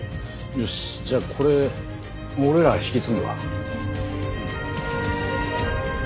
よしじゃあこれ俺らが引き継ぐわ。